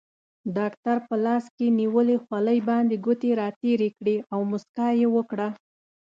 ډاکټر په لاس کې نیولې خولۍ باندې ګوتې راتېرې کړې او موسکا یې وکړه.